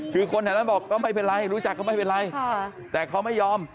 คือคนแถวนั้นบอกก็ไม่เป็นไรรู้จักก็ไม่เป็นไรแต่เขาไม่ยอม